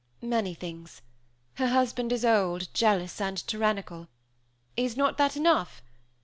"Many things. Her husband is old, jealous, and tyrannical. Is not that enough?